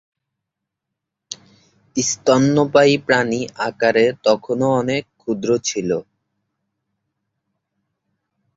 স্তন্যপায়ী প্রাণী আকারে তখনও অনেক ক্ষুদ্র ছিল।